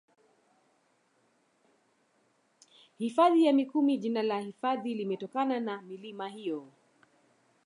Hifadhi ya Mikumi jina la hifadhi limetokana na milima hiyo